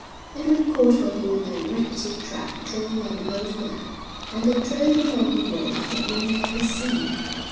Edward called for him in a rickety trap drawn by an old mare, and they drove along a road that ran by the sea.